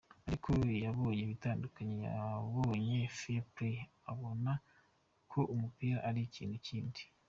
Ariko yabonye ibitandukanye, yabonye Fair Play abona ko umupira ari ikindi kintu.